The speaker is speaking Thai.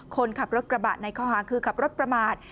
คนขับรถกระบะในข้อหาคือขับรถประมาท